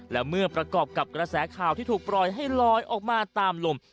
และเมื่อประกอบกับกระแสข่าวที่ถูกปล่อยให้ลอยออกมาตามลม